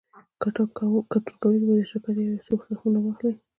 ګډون کوونکی باید د شرکت یو یا څو سهمونه واخلي